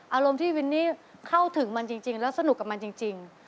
อารมณ์ที่วินนี่เข้าถึงมันจริงแล้วสนุกกับมันจริง